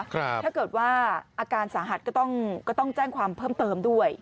ถ้าเกิดว่าอาการสาหัสก็ต้องแจ้งความเพิ่มเติมด้วย